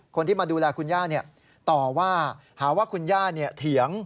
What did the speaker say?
คนที่มาดูแลคุณย่าเนี่ยต่อว่าหาว่าคุณย่าเนี่ยเถียง